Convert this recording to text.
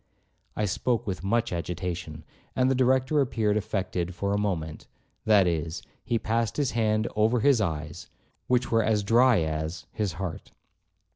I spoke with much agitation, and the Director appeared affected for a moment; that is, he passed his hand over his eyes, which were as dry as—his heart.